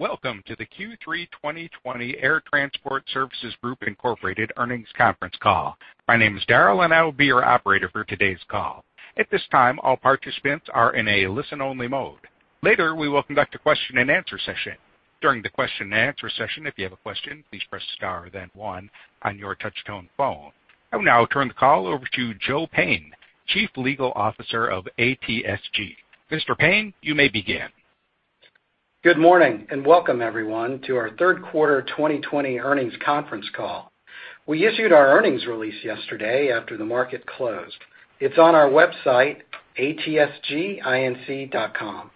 Welcome to the Q3 2020 Air Transport Services Group Incorporated earnings conference call. My name is Daryl, and I will be your operator for today's call. At this time, all participants are in a listen-only mode. Later, we will conduct a question and answer session. During the question and answer session, if you have a question, please press star then one on your touch-tone phone. I will now turn the call over to Joe Payne, Chief Legal Officer of ATSG. Mr. Payne, you may begin. Good morning, and welcome everyone to our third quarter 2020 earnings conference call. We issued our earnings release yesterday after the market closed. It's on our website, atsginc.com.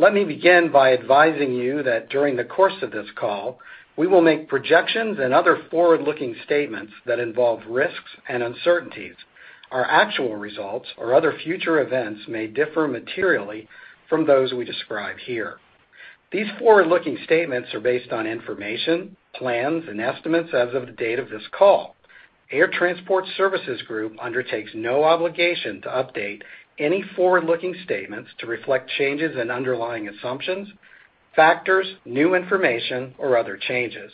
Let me begin by advising you that during the course of this call, we will make projections and other forward-looking statements that involve risks and uncertainties. Our actual results or other future events may differ materially from those we describe here. These forward-looking statements are based on information, plans, and estimates as of the date of this call. Air Transport Services Group undertakes no obligation to update any forward-looking statements to reflect changes in underlying assumptions, factors, new information, or other changes.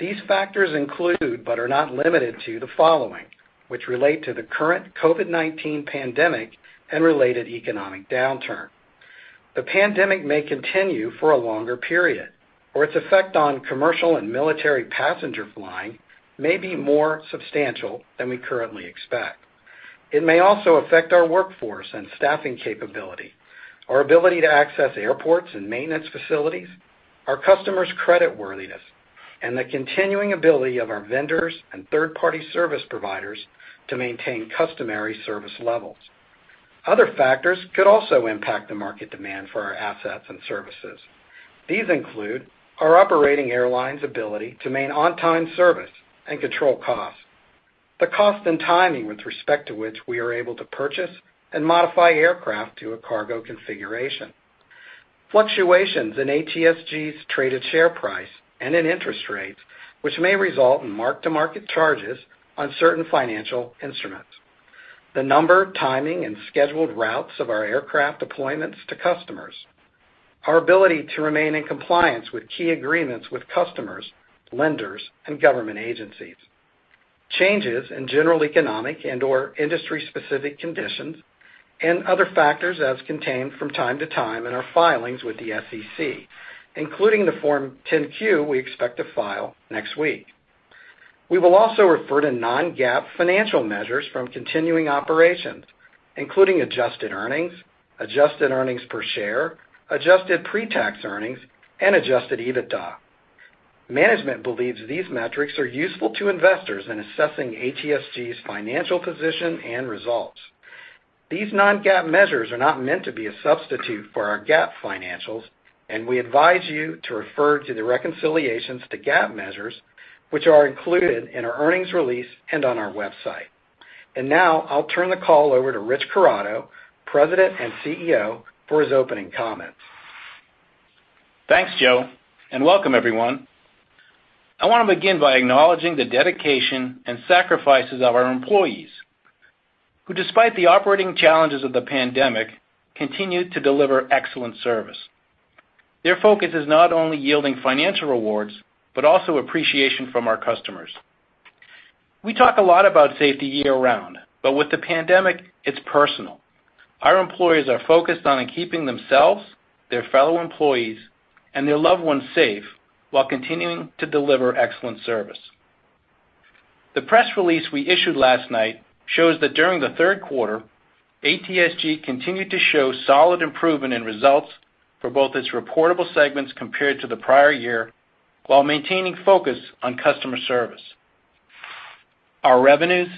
These factors include, but are not limited to, the following, which relate to the current COVID-19 pandemic and related economic downturn. The pandemic may continue for a longer period, or its effect on commercial and military passenger flying may be more substantial than we currently expect. It may also affect our workforce and staffing capability, our ability to access airports and maintenance facilities, our customers' creditworthiness, and the continuing ability of our vendors and third-party service providers to maintain customary service levels. Other factors could also impact the market demand for our assets and services. These include our operating airlines' ability to maintain on-time service and control costs, the cost and timing with respect to which we are able to purchase and modify aircraft to a cargo configuration, fluctuations in ATSG's traded share price and in interest rates, which may result in mark-to-market charges on certain financial instruments, the number, timing, and scheduled routes of our aircraft deployments to customers. Our ability to remain in compliance with key agreements with customers, lenders, and government agencies. Changes in general economic and/or industry-specific conditions and other factors as contained from time to time in our filings with the SEC, including the Form 10-Q we expect to file next week. We will also refer to non-GAAP financial measures from continuing operations, including adjusted earnings, adjusted earnings per share, adjusted pre-tax earnings, and adjusted EBITDA. Management believes these metrics are useful to investors in assessing ATSG's financial position and results. These non-GAAP measures are not meant to be a substitute for our GAAP financials, and we advise you to refer to the reconciliations to GAAP measures, which are included in our earnings release and on our website. Now I'll turn the call over to Rich Corrado, President and CEO, for his opening comments. Thanks, Joe, and welcome everyone. I want to begin by acknowledging the dedication and sacrifices of our employees, who despite the operating challenges of the pandemic, continue to deliver excellent service. Their focus is not only yielding financial rewards, but also appreciation from our customers. We talk a lot about safety year-round, but with the pandemic, it's personal. Our employees are focused on keeping themselves, their fellow employees, and their loved ones safe while continuing to deliver excellent service. The press release we issued last night shows that during the third quarter, ATSG continued to show solid improvement in results for both its reportable segments compared to the prior year while maintaining focus on customer service. Our revenues,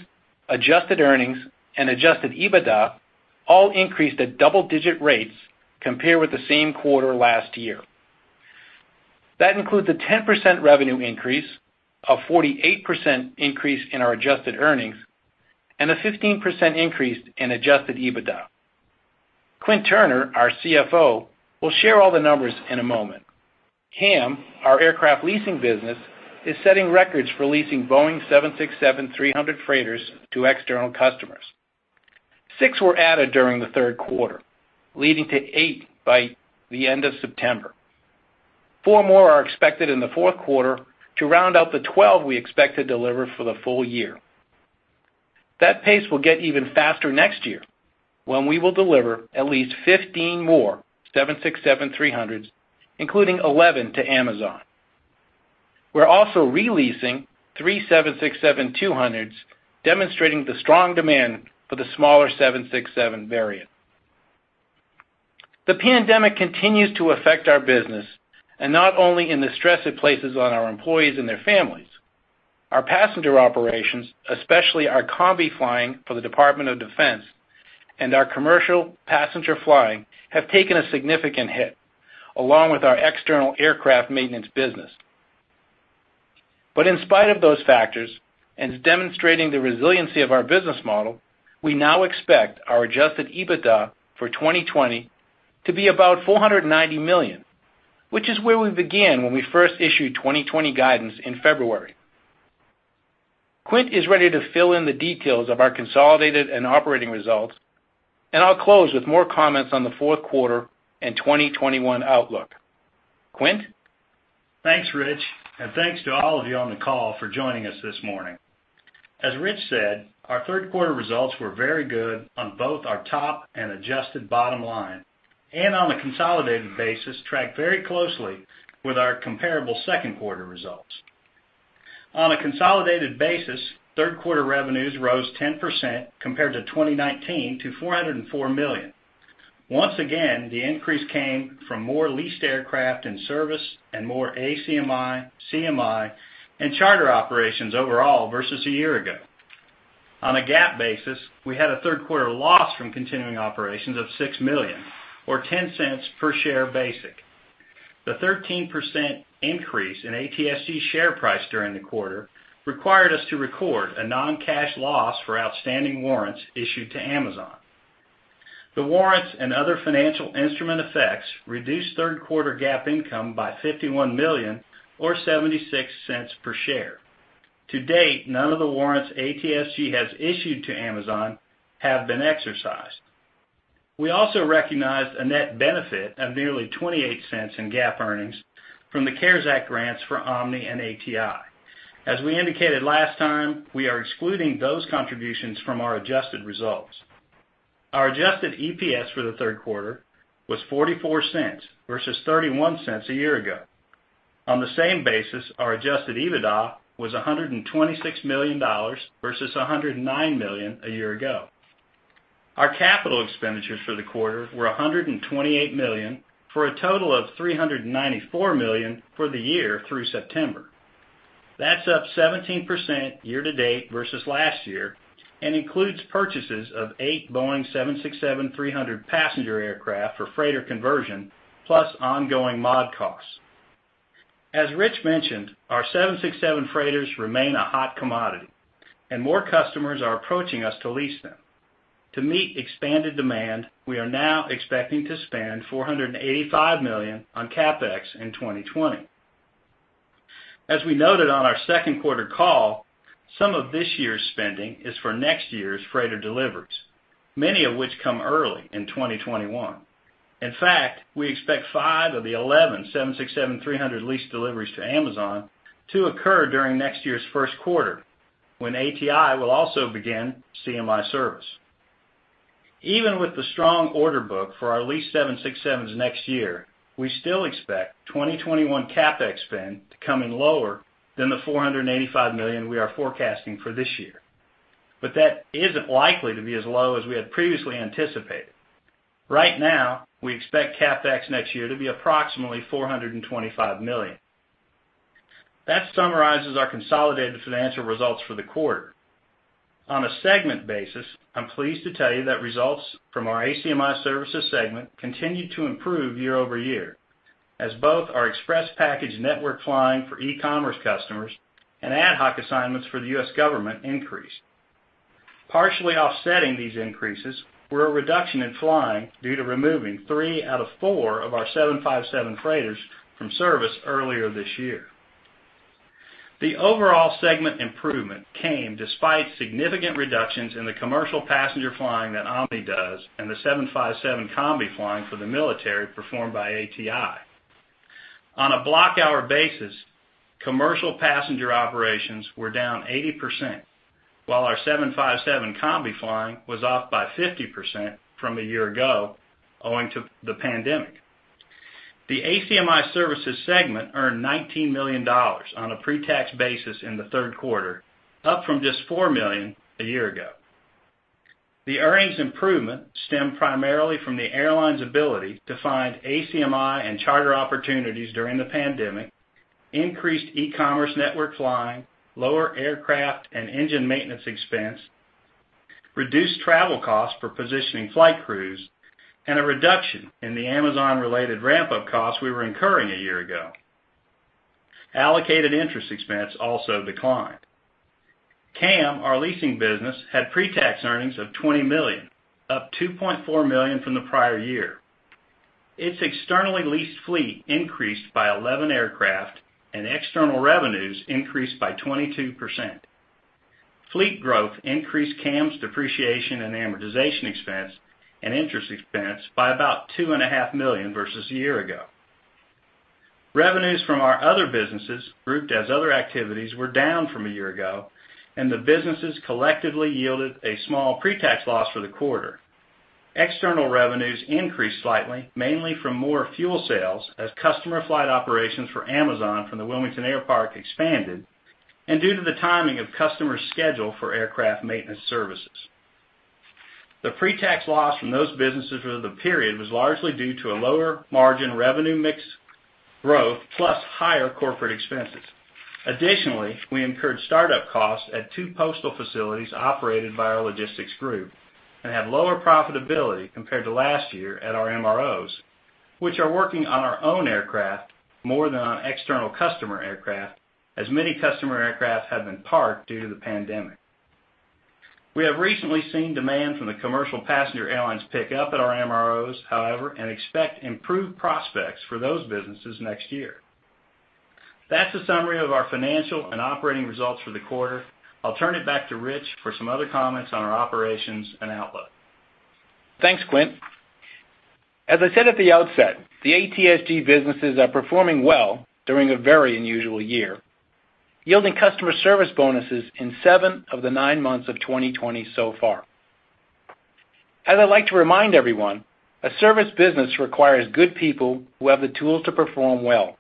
adjusted earnings, and adjusted EBITDA all increased at double-digit rates compared with the same quarter last year. That includes a 10% revenue increase, a 48% increase in our adjusted earnings, and a 15% increase in adjusted EBITDA. Quint Turner, our CFO, will share all the numbers in a moment. CAM, our aircraft leasing business, is setting records for leasing Boeing 767-300 freighters to external customers. Six were added during the third quarter, leading to eight by the end of September. Four more are expected in the fourth quarter to round out the 12 we expect to deliver for the full year. That pace will get even faster next year, when we will deliver at least 15 more 767-300s, including 11 to Amazon. We're also re-leasing three 767-200s, demonstrating the strong demand for the smaller 767 variant. The pandemic continues to affect our business, and not only in the stress it places on our employees and their families. Our passenger operations especially our Combi flying for the Department of Defense and our commercial passenger flying have taken a significant hit, along with our external aircraft maintenance business. In spite of those factors, and demonstrating the resiliency of our business model, we now expect our adjusted EBITDA for 2020 to be about $490 million, which is where we began when we first issued 2020 guidance in February. Quint is ready to fill in the details of our consolidated and operating results, and I'll close with more comments on the fourth quarter and 2021 outlook. Quint? Thanks, Rich, and thanks to all of you on the call for joining us this morning. As Rich said, our third quarter results were very good on both our top and adjusted bottom line, and on a consolidated basis, tracked very closely with our comparable second quarter results. On a consolidated basis, third-quarter revenues rose 10% compared to 2019, to $404 million. Once again, the increase came from more leased aircraft in service and more ACMI, CMI, and charter operations overall versus a year ago. On a GAAP basis, we had a third-quarter loss from continuing operations of $6 million, or $0.10 per share basic. The 13% increase in ATSG share price during the quarter required us to record a non-cash loss for outstanding warrants issued to Amazon. The warrants and other financial instrument effects reduced third-quarter GAAP income by $51 million, or $0.76 per share. To date, none of the warrants ATSG has issued to Amazon have been exercised. We also recognized a net benefit of nearly $0.28 in GAAP earnings from the CARES Act grants for Omni and ATI. As we indicated last time, we are excluding those contributions from our adjusted results. Our adjusted EPS for the third quarter was $0.44 versus $0.31 a year ago. On the same basis, our adjusted EBITDA was $126 million versus $109 million a year ago. Our capital expenditures for the quarter were $128 million, for a total of $394 million for the year through September. That's up 17% year to date versus last year, and includes purchases of eight Boeing 767-300 passenger aircraft for freighter conversion, plus ongoing mod costs. As Rich mentioned, our 767 freighters remain a hot commodity, and more customers are approaching us to lease them. To meet expanded demand, we are now expecting to spend $485 million on CapEx in 2020. As we noted on our second quarter call, some of this year's spending is for next year's freighter deliveries, many of which come early in 2021. In fact, we expect five of the 11 767-300 lease deliveries to Amazon to occur during next year's first quarter, when ATI will also begin CMI service. Even with the strong order book for our leased 767s next year, we still expect 2021 CapEx spend to come in lower than the $485 million we are forecasting for this year. That isn't likely to be as low as we had previously anticipated. Right now, we expect CapEx next year to be approximately $425 million. That summarizes our consolidated financial results for the quarter. On a segment basis, I'm pleased to tell you that results from our ACMI Services segment continued to improve year-over-year, as both our express package network flying for e-commerce customers and ad hoc assignments for the U.S. government increased. Partially offsetting these increases were a reduction in flying due to removing three out of four of our 757 freighters from service earlier this year. The overall segment improvement came despite significant reductions in the commercial passenger flying that Omni does and the 757 Combi flying for the military performed by ATI. On a block hour basis, commercial passenger operations were down 80%, while our 757 Combi flying was off by 50% from a year ago owing to the pandemic. The ACMI Services segment earned $19 million on a pre-tax basis in the third quarter, up from just $4 million a year ago. The earnings improvement stemmed primarily from the airline's ability to find ACMI and charter opportunities during the pandemic, increased e-commerce network flying, lower aircraft and engine maintenance expense, reduced travel costs for positioning flight crews, and a reduction in the Amazon-related ramp-up costs we were incurring a year ago. Allocated interest expense also declined. CAM, our leasing business, had pre-tax earnings of $20 million, up $2.4 million from the prior year. Its externally leased fleet increased by 11 aircraft and external revenues increased by 22%. Fleet growth increased CAM's depreciation and amortization expense and interest expense by about $2.5 million versus a year ago. Revenues from our other businesses, grouped as other activities, were down from a year ago, and the businesses collectively yielded a small pre-tax loss for the quarter. External revenues increased slightly, mainly from more fuel sales as customer flight operations for Amazon from the Wilmington Air Park expanded, and due to the timing of customer schedule for aircraft maintenance services. The pre-tax loss from those businesses for the period was largely due to a lower margin revenue mix growth, plus higher corporate expenses. Additionally, we incurred startup costs at two postal facilities operated by our logistics group and had lower profitability compared to last year at our MROs, which are working on our own aircraft more than on external customer aircraft, as many customer aircraft have been parked due to the pandemic. We have recently seen demand from the commercial passenger airlines pick up at our MROs, however, and expect improved prospects for those businesses next year. That's a summary of our financial and operating results for the quarter. I'll turn it back to Rich for some other comments on our operations and outlook. Thanks, Quint. As I said at the outset, the ATSG businesses are performing well during a very unusual year, yielding customer service bonuses in seven of the nine months of 2020 so far. As I like to remind everyone, a service business requires good people who have the tools to perform well.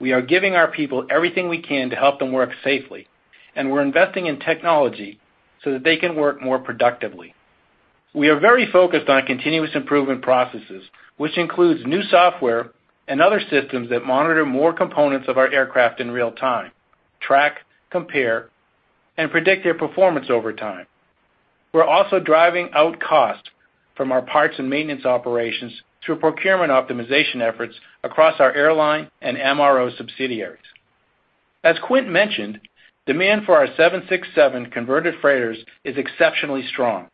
We are giving our people everything we can to help them work safely, and we're investing in technology so that they can work more productively. We are very focused on continuous improvement processes, which includes new software and other systems that monitor more components of our aircraft in real time, track, compare, and predict their performance over time. We're also driving out cost from our parts and maintenance operations through procurement optimization efforts across our airline and MRO subsidiaries. As Quint mentioned, demand for our 767 converted freighters is exceptionally strong.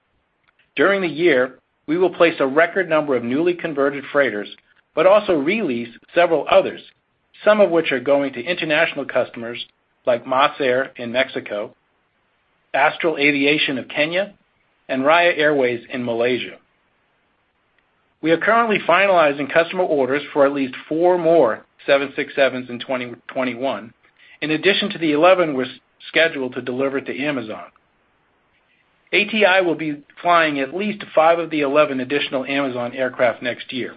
During the year, we will place a record number of newly converted freighters, but also re-lease several others, some of which are going to international customers like MasAir in Mexico, Astral Aviation of Kenya, and Raya Airways in Malaysia. We are currently finalizing customer orders for at least four more 767s in 2021, in addition to the 11 we're scheduled to deliver to Amazon. ATI will be flying at least five of the 11 additional Amazon aircraft next year.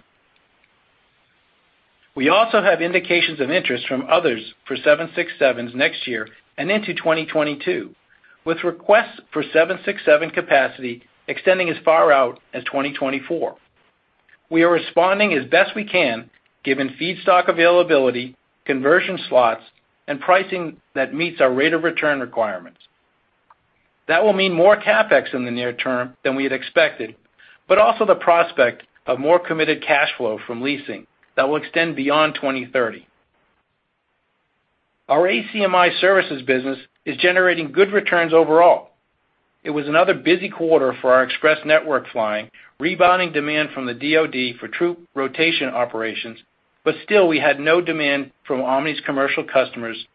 We also have indications of interest from others for 767s next year and into 2022, with requests for 767 capacity extending as far out as 2024. We are responding as best we can given feedstock availability, conversion slots, and pricing that meets our rate of return requirements. That will mean more CapEx in the near term than we had expected, but also the prospect of more committed cash flow from leasing that will extend beyond 2030. Our ACMI Services business is generating good returns overall. It was another busy quarter for our express network flying, rebounding demand from the DoD for troop rotation operations. Still we had no demand from Omni's commercial customers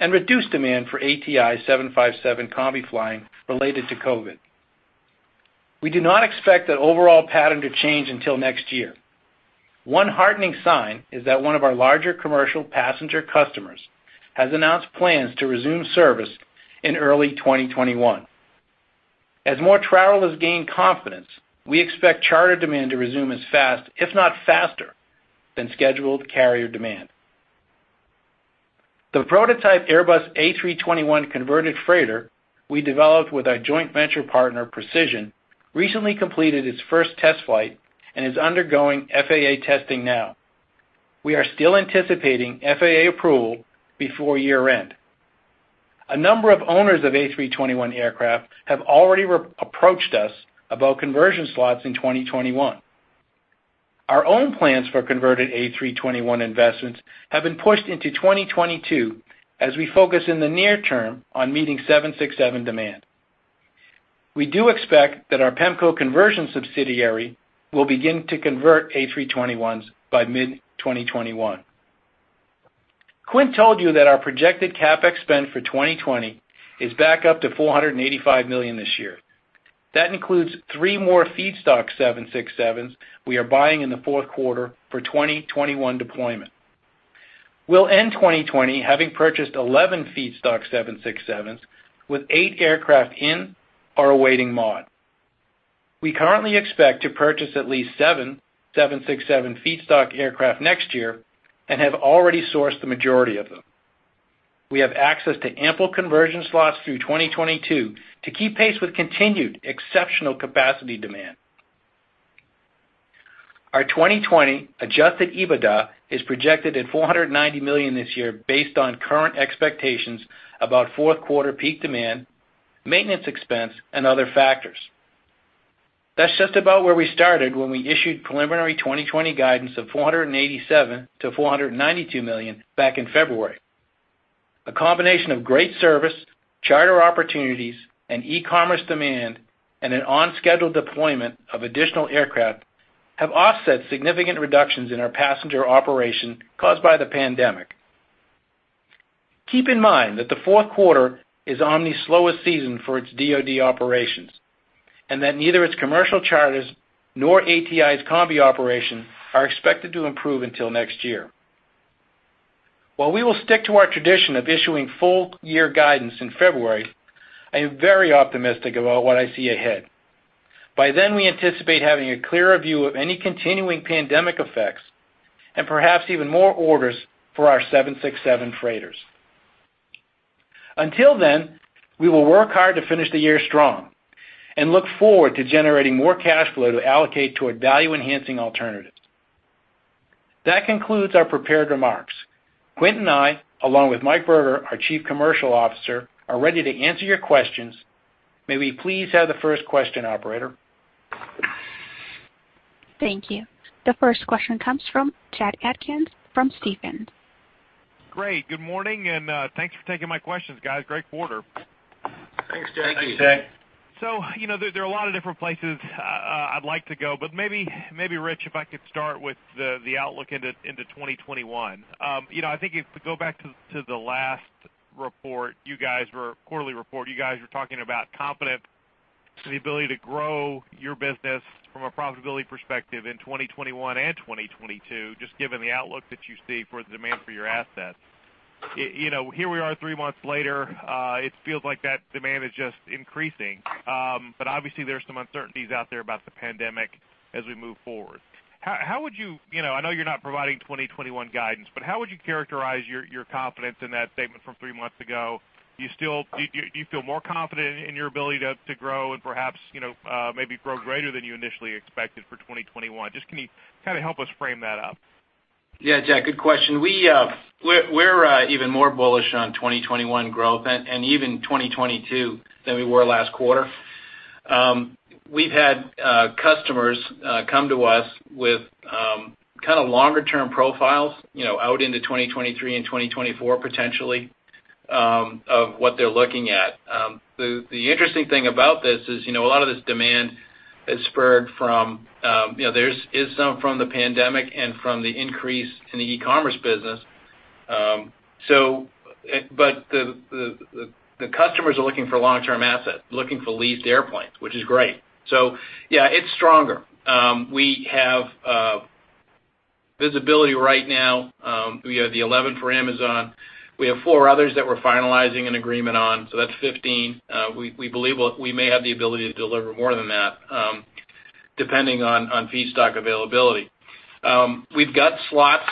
and reduced demand for ATI 757 Combi flying related to COVID. We do not expect that overall pattern to change until next year. One heartening sign is that one of our larger commercial passenger customers has announced plans to resume service in early 2021. As more travelers gain confidence, we expect charter demand to resume as fast, if not faster, than scheduled carrier demand. The prototype Airbus A321 converted freighter we developed with our joint venture partner, Precision, recently completed its first test flight and is undergoing FAA testing now. We are still anticipating FAA approval before year-end. A number of owners of A321 aircraft have already approached us about conversion slots in 2021. Our own plans for converted A321 investments have been pushed into 2022 as we focus in the near term on meeting 767 demand. We do expect that our PEMCO conversion subsidiary will begin to convert A321s by mid-2021. Quint told you that our projected CapEx spend for 2020 is back up to $485 million this year. That includes three more feedstock 767s we are buying in the fourth quarter for 2021 deployment. We'll end 2020 having purchased 11 feedstock 767s, with eight aircraft in or awaiting mod. We currently expect to purchase at least seven 767 feedstock aircraft next year and have already sourced the majority of them. We have access to ample conversion slots through 2022 to keep pace with continued exceptional capacity demand. Our 2020 adjusted EBITDA is projected at $490 million this year based on current expectations about fourth quarter peak demand, maintenance expense, and other factors. That's just about where we started when we issued preliminary 2020 guidance of $487 million-$492 million back in February. A combination of great service, charter opportunities, and e-commerce demand, and an on-schedule deployment of additional aircraft have offset significant reductions in our passenger operation caused by the pandemic. Keep in mind that the fourth quarter is Omni's slowest season for its DoD operations, and that neither its commercial charters nor ATI's combi operations are expected to improve until next year. While we will stick to our tradition of issuing full year guidance in February, I am very optimistic about what I see ahead. By then, we anticipate having a clearer view of any continuing pandemic effects and perhaps even more orders for our 767 freighters. Until then, we will work hard to finish the year strong and look forward to generating more cash flow to allocate to our value-enhancing alternatives. That concludes our prepared remarks. Quint and I, along with Mike Berger, our Chief Commercial Officer, are ready to answer your questions. May we please have the first question, operator? Thank you. The first question comes from Jack Atkins from Stephens. Great. Good morning, and thanks for taking my questions, guys. Great quarter. Thanks, Jack. Thanks, Jack. There are a lot of different places I'd like to go, but maybe, Rich, if I could start with the outlook into 2021. I think if we go back to the last report, quarterly report, you guys were talking about confident in the ability to grow your business from a profitability perspective in 2021 and 2022, just given the outlook that you see for the demand for your assets. Here we are three months later, it feels like that demand is just increasing. Obviously there's some uncertainties out there about the pandemic as we move forward. I know you're not providing 2021 guidance, but how would you characterize your confidence in that statement from three months ago? Do you feel more confident in your ability to grow and perhaps, maybe grow greater than you initially expected for 2021? Just can you kind of help us frame that up? Yeah, Jack, good question. We're even more bullish on 2021 growth and even 2022 than we were last quarter. We've had customers come to us with kind of longer term profiles, out into 2023 and 2024 potentially, of what they're looking at. The interesting thing about this is, a lot of this demand is spurred from, there is some from the pandemic and from the increase in the e-commerce business. The customers are looking for long-term assets, looking for leased airplanes, which is great. Yeah, it's stronger. We have visibility right now. We have the 11 for Amazon. We have four others that we're finalizing an agreement on, that's 15. We believe we may have the ability to deliver more than that, depending on feedstock availability. We've got slots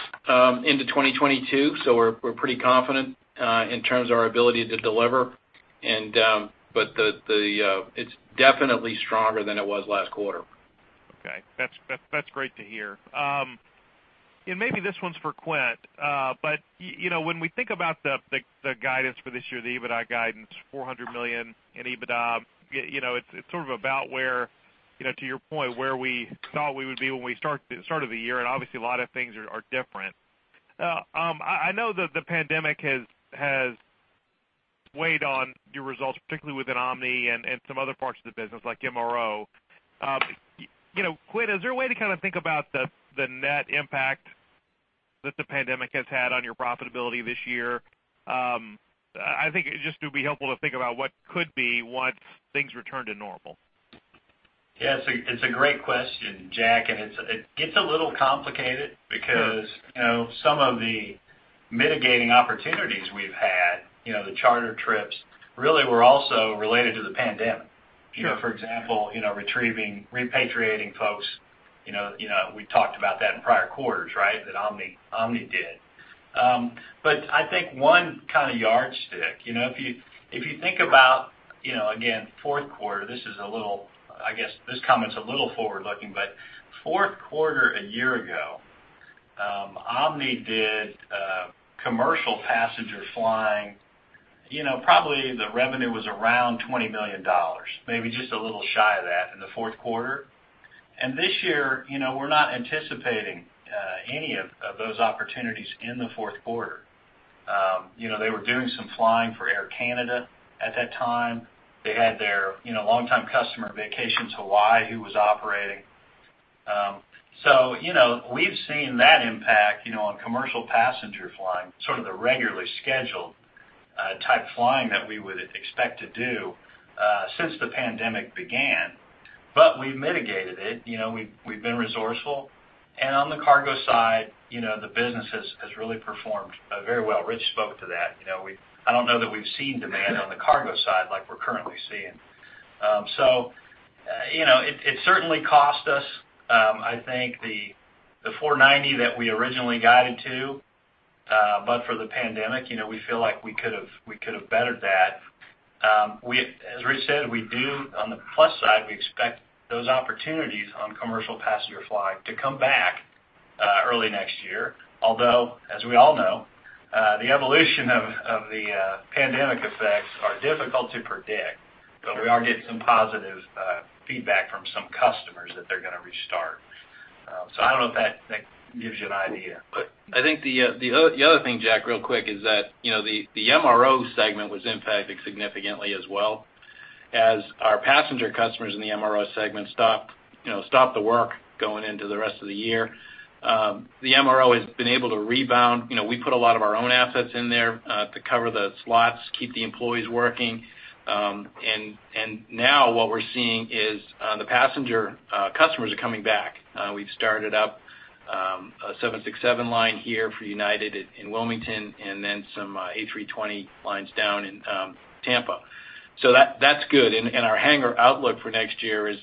into 2022, we're pretty confident in terms of our ability to deliver. It's definitely stronger than it was last quarter. Okay. That's great to hear. Maybe this one's for Quint. When we think about the guidance for this year, the EBITDA guidance, $400 million in EBITDA, it's sort of about where, to your point, where we thought we would be when we started the year, obviously a lot of things are different. I know that the pandemic has weighed on your results, particularly within Omni and some other parts of the business, like MRO. Quint, is there a way to kind of think about the net impact that the pandemic has had on your profitability this year? I think it just would be helpful to think about what could be once things return to normal. Yeah. It's a great question, Jack, it gets a little complicated. Some of the mitigating opportunities we've had, the charter trips really were also related to the pandemic. For example, repatriating folks, we talked about that in prior quarters, right? That Omni did. I think one kind of yardstick, if you think about, again, fourth quarter, I guess this comment's a little forward-looking, fourth quarter a year ago, Omni did commercial passenger flying, probably the revenue was around $20 million, maybe just a little shy of that in the fourth quarter. This year, we're not anticipating any of those opportunities in the fourth quarter. They were doing some flying for Air Canada at that time. They had their longtime customer, Vacations Hawaii, who was operating. We've seen that impact, on commercial passenger flying, sort of the regularly scheduled type flying that we would expect to do, since the pandemic began. We've mitigated it. We've been resourceful. On the cargo side, the business has really performed very well. Rich spoke to that. I don't know that we've seen demand on the cargo side like we're currently seeing. It certainly cost us. I think the $490 million that we originally guided to, but for the pandemic, we feel like we could've bettered that. As Rich said, on the plus side, we expect those opportunities on commercial passenger flying to come back early next year, although, as we all know, the evolution of the pandemic effects are difficult to predict, but we are getting some positive feedback from some customers that they're going to restart. I don't know if that gives you an idea. I think the other thing, Jack, real quick is that, the MRO segment was impacted significantly as well as our passenger customers in the MRO segment stopped the work going into the rest of the year. The MRO has been able to rebound. We put a lot of our own assets in there to cover the slots, keep the employees working. Now what we're seeing is the passenger customers are coming back. We've started up a 767 line here for United in Wilmington and then some A320 lines down in Tampa. That's good. Our hangar outlook for next year is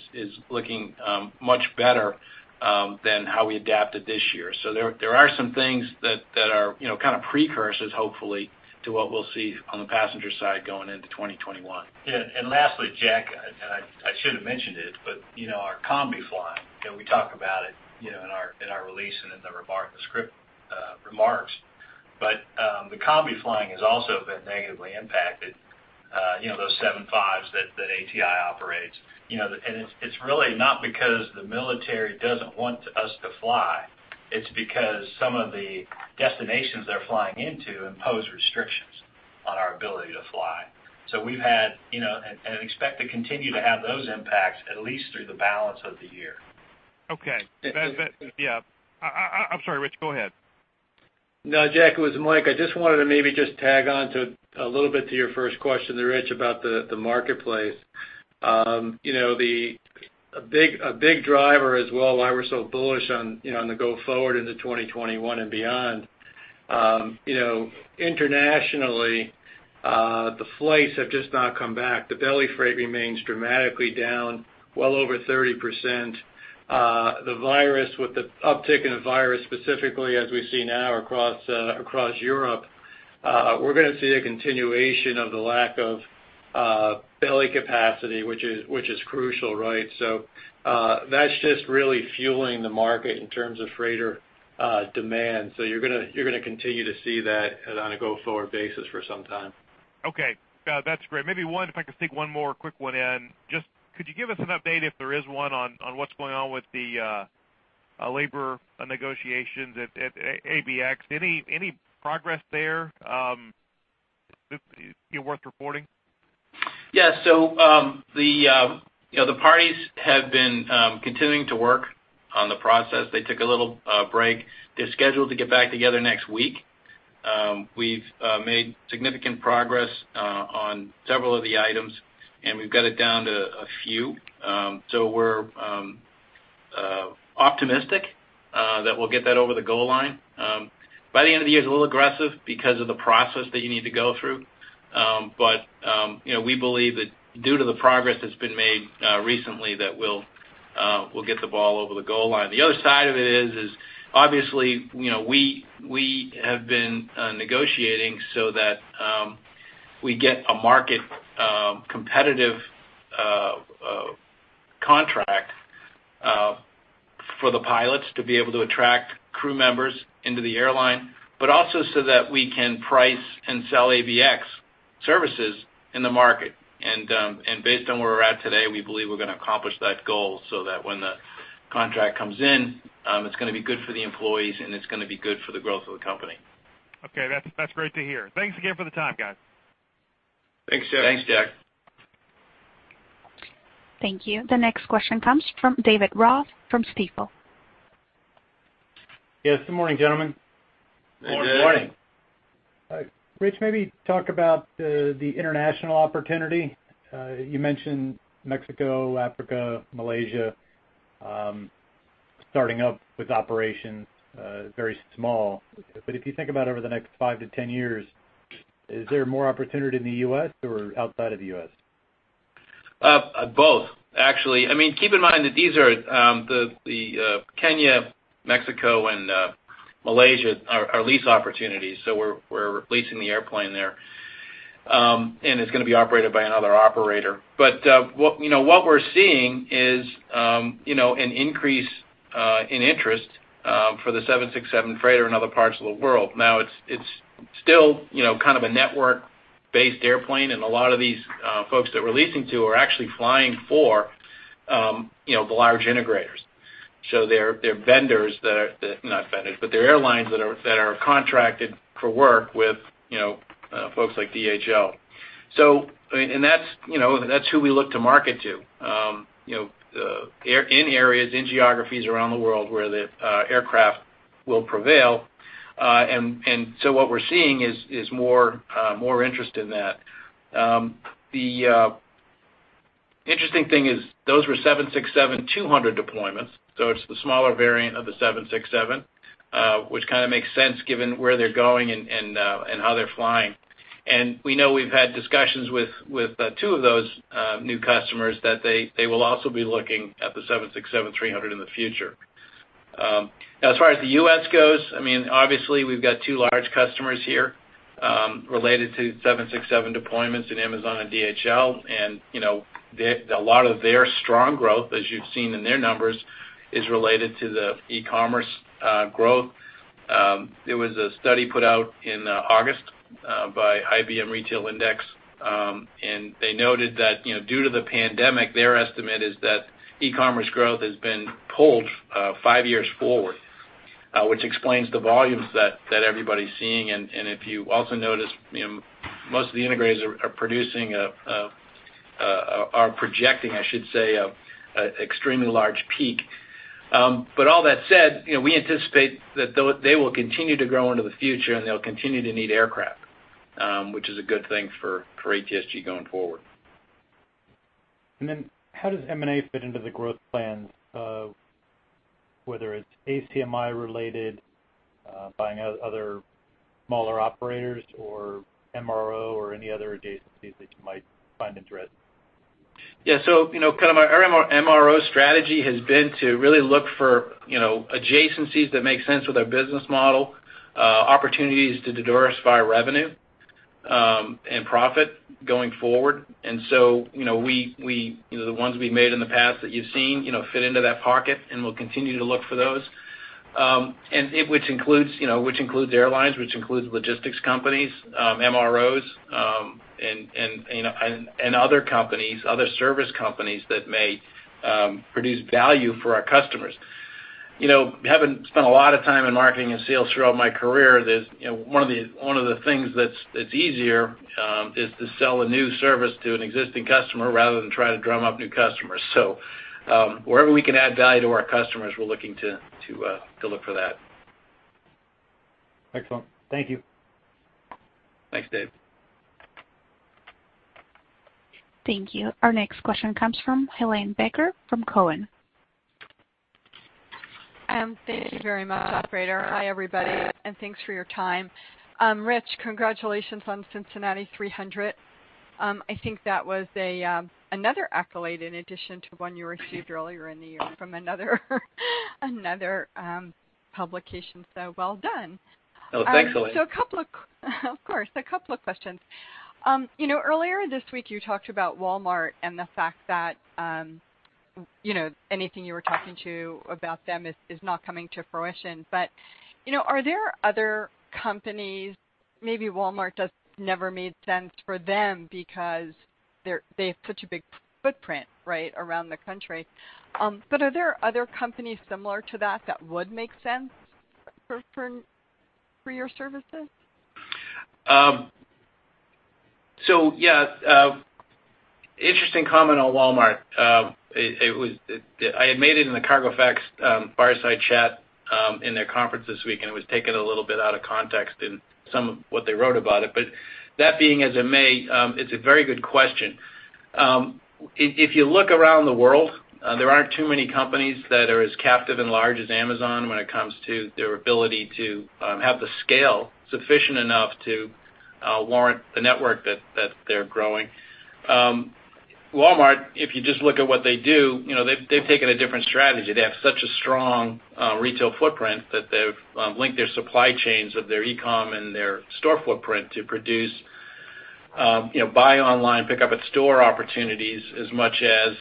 looking much better than how we adapted this year. There are some things that are kind of precursors, hopefully, to what we'll see on the passenger side going into 2021. Yeah. Lastly, Jack, and I should have mentioned it, our Combi flying, we talk about it in our release and in the remarks in the script remarks. The Combi flying has also been negatively impacted, those 75s that ATI operates. It's really not because the military doesn't want us to fly, it's because some of the destinations they're flying into impose restrictions on our ability to fly. We've had, and expect to continue to have those impacts, at least through the balance of the year. Okay. Yeah. I'm sorry, Rich, go ahead. No, Jack, it was Mike. I just wanted to maybe just tag on to a little bit to your first question there, Rich, about the marketplace. A big driver as well, why we're so bullish on the go forward into 2021 and beyond. Internationally, the flights have just not come back. The belly freight remains dramatically down, well over 30%. The virus, with the uptick in the virus, specifically as we see now across Europe, we're going to see a continuation of the lack of belly capacity, which is crucial, right? That's just really fueling the market in terms of freighter demand. You're going to continue to see that on a go-forward basis for some time. Okay. That's great. Maybe one, if I could sneak one more quick one in. Could you give us an update, if there is one, on what's going on with the labor negotiations at ABX? Any progress there worth reporting? Yeah. The parties have been continuing to work on the process. They took a little break. They're scheduled to get back together next week. We've made significant progress on several of the items, and we've got it down to a few. We're optimistic that we'll get that over the goal line. By the end of the year is a little aggressive because of the process that you need to go through. We believe that due to the progress that's been made recently, that we'll get the ball over the goal line. The other side of it is obviously, we have been negotiating so that we get a market-competitive contract for the pilots to be able to attract crew members into the airline, but also so that we can price and sell ABX services in the market. Based on where we're at today, we believe we're going to accomplish that goal so that when the contract comes in, it's going to be good for the employees, and it's going to be good for the growth of the company. Okay. That's great to hear. Thanks again for the time, guys. Thanks, Jack. Thanks, Jack. Thank you. The next question comes from David Ross from Stifel. Yes. Good morning, gentlemen. Good morning. Good morning. Rich, maybe talk about the international opportunity. You mentioned Mexico, Africa, Malaysia starting up with operations very small. If you think about over the next five to 10 years, is there more opportunity in the U.S. or outside of the U.S.? Both, actually. Keep in mind that these are the Kenya, Mexico, and Malaysia are lease opportunities. We're leasing the airplane there, and it's going to be operated by another operator. What we're seeing is an increase in interest for the 767 freighter in other parts of the world. Now it's still kind of a network-based airplane, and a lot of these folks that we're leasing to are actually flying for the large integrators. They're airlines that are contracted for work with folks like DHL. That's who we look to market to in areas, in geographies around the world where the aircraft will prevail. What we're seeing is more interest in that. The interesting thing is those were 767-200 deployments, so it's the smaller variant of the 767, which kind of makes sense given where they're going and how they're flying. We know we've had discussions with two of those new customers that they will also be looking at the 767-300 in the future. As far as the U.S. goes, obviously we've got two large customers here related to 767 deployments in Amazon and DHL. A lot of their strong growth, as you've seen in their numbers, is related to the e-commerce growth. There was a study put out in August by IBM Retail Index, and they noted that due to the pandemic, their estimate is that e-commerce growth has been pulled five years forward, which explains the volumes that everybody's seeing. If you also notice, most of the integrators are projecting, I should say, extremely large peak. All that said, we anticipate that they will continue to grow into the future, and they'll continue to need aircraft, which is a good thing for ATSG going forward. How does M&A fit into the growth plans, whether it's ACMI-related, buying other smaller operators or MRO or any other adjacencies that you might find interesting? Yeah. Kind of our MRO strategy has been to really look for adjacencies that make sense with our business model, opportunities to diversify revenue. Profit going forward. The ones we made in the past that you've seen fit into that pocket, and we'll continue to look for those. Which includes airlines, which includes logistics companies, MROs, and other service companies that may produce value for our customers. Having spent a lot of time in marketing and sales throughout my career, one of the things that's easier is to sell a new service to an existing customer rather than try to drum up new customers. Wherever we can add value to our customers, we're looking to look for that. Excellent. Thank you. Thanks, David. Thank you. Our next question comes from Helane Becker from Cowen. Thank you very much, operator. Hi everybody, thanks for your time. Rich, congratulations on Cincinnati 300. I think that was another accolade in addition to one you received earlier in the year from another publication, well done. Oh, thanks, Helane. Of course. A couple of questions. Earlier this week, you talked about Walmart and the fact that anything you were talking to about them is not coming to fruition. Are there other companies, maybe Walmart just never made sense for them because they have such a big footprint right around the country, but are there other companies similar to that that would make sense for your services? Yeah. Interesting comment on Walmart. I had made it in the Cargo Facts Fireside Chat in their conference this week, and it was taken a little bit out of context in some of what they wrote about it. That being as it may, it's a very good question. If you look around the world, there aren't too many companies that are as captive and large as Amazon when it comes to their ability to have the scale sufficient enough to warrant the network that they're growing. Walmart, if you just look at what they do, they've taken a different strategy. They have such a strong retail footprint that they've linked their supply chains of their e-com and their store footprint to produce buy online, pick up at store opportunities as much as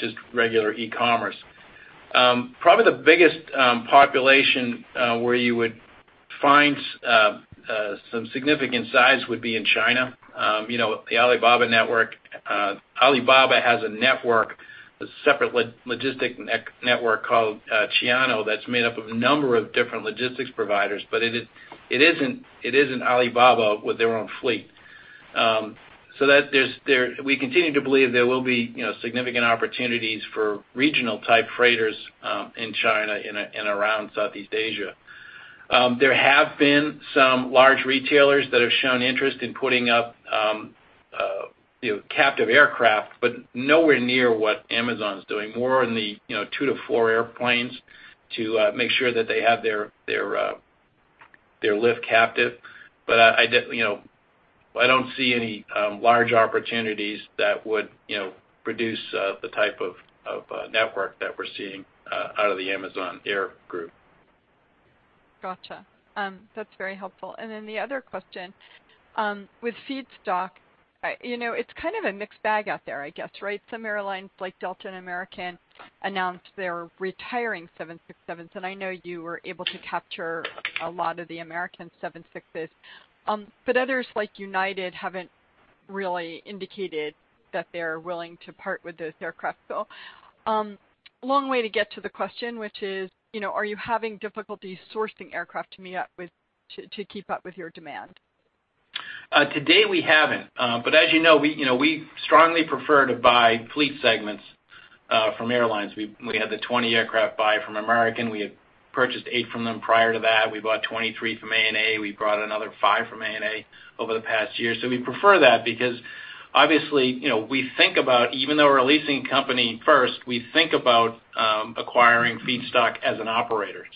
just regular e-commerce. Probably the biggest population where you would find some significant size would be in China. The Alibaba network. Alibaba has a network, a separate logistic network called Cainiao, that's made up of a number of different logistics providers, but it isn't Alibaba with their own fleet. We continue to believe there will be significant opportunities for regional-type freighters in China and around Southeast Asia. There have been some large retailers that have shown interest in putting up captive aircraft, but nowhere near what Amazon's doing. More in the two-four airplanes to make sure that they have their lift captive. I don't see any large opportunities that would produce the type of network that we're seeing out of the Amazon Air group. Got you. That's very helpful. The other question, with feedstock, it's kind of a mixed bag out there, I guess, right? Some airlines, like Delta and American, announced they're retiring 767s, and I know you were able to capture a lot of the American 76s. Others, like United, haven't really indicated that they're willing to part with those aircraft. Long way to get to the question, which is, are you having difficulty sourcing aircraft to keep up with your demand? Today we haven't. As you know, we strongly prefer to buy fleet segments from airlines. We had the 20 aircraft buy from American, we had purchased eight from them prior to that. We bought 23 from ANA, we bought another five from ANA over the past year. We prefer that because obviously, even though we're a leasing company first, we think about acquiring feedstock as an operator.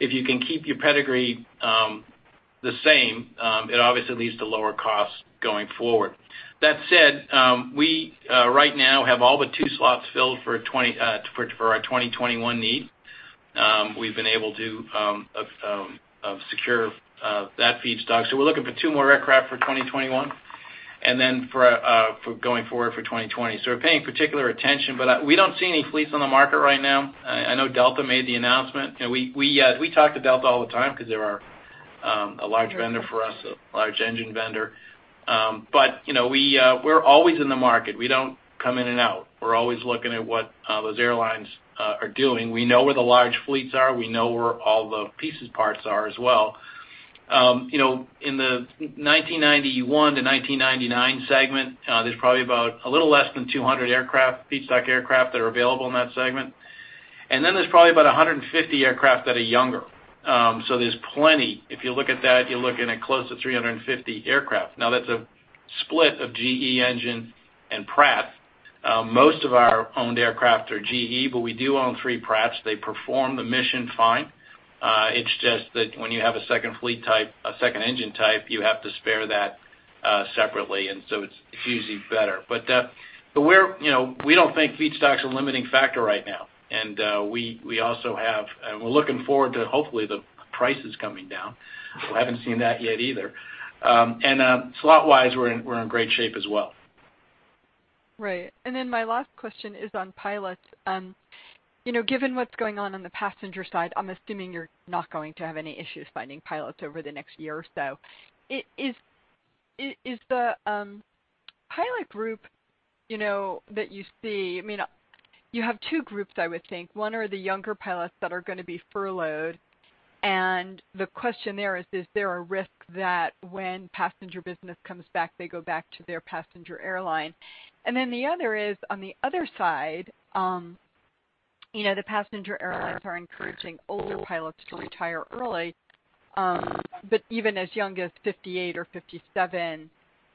If you can keep your pedigree the same, it obviously leads to lower costs going forward. That said, we right now have all but two slots filled for our 2021 need. We've been able to secure that feedstock. We're looking for two more aircraft for 2021, and then going forward for 2020. We're paying particular attention, but we don't see any fleets on the market right now. I know Delta made the announcement. We talk to Delta all the time because they are a large vendor for us, a large engine vendor. We're always in the market. We don't come in and out. We're always looking at what those airlines are doing. We know where the large fleets are. We know where all the pieces parts are as well. In the 1991-1999 segment, there's probably about a little less than 200 feedstock aircraft that are available in that segment. There's probably about 150 aircraft that are younger. So there's plenty. If you look at that, you're looking at close to 350 aircraft. That's a split of GE engine and Pratt. Most of our owned aircraft are GE, but we do own three Pratts. They perform the mission fine. It's just that when you have a second engine type, you have to spare that separately. It's usually better. We don't think feedstock's a limiting factor right now, and we're looking forward to, hopefully, the prices coming down. We haven't seen that yet either. Slot-wise, we're in great shape as well. Right. My last question is on pilots. Given what's going on in the passenger side, I'm assuming you're not going to have any issues finding pilots over the next year or so. Is the pilot group that you see, You have two groups, I would think. One are the younger pilots that are going to be furloughed, and the question there is: Is there a risk that when passenger business comes back, they go back to their passenger airline? The other is, on the other side, the passenger airlines are encouraging older pilots to retire early, but even as young as 58 or 57,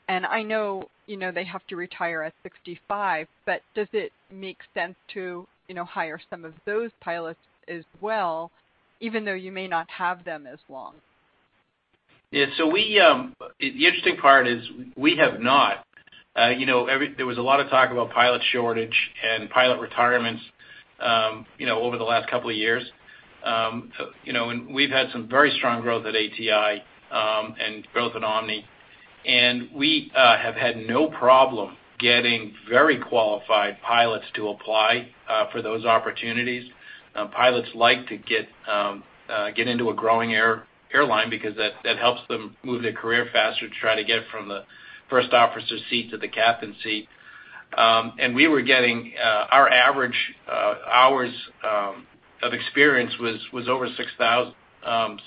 and I know they have to retire at 65. Does it make sense to hire some of those pilots as well, even though you may not have them as long? The interesting part is we have not. There was a lot of talk about pilot shortage and pilot retirements over the last couple of years. We've had some very strong growth at ATI and growth at Omni, and we have had no problem getting very qualified pilots to apply for those opportunities. Pilots like to get into a growing airline because that helps them move their career faster to try to get from the first officer seat to the captain seat. Our average hours of experience was over 6,000,